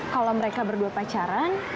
kalau mereka berdua pacaran